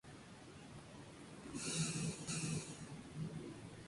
La población es joven, ya que es un barrio de reciente construcción.